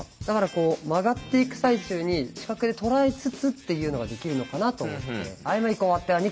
だからこう曲がっていく最中に視覚で捉えつつっていうのができるのかなと思って。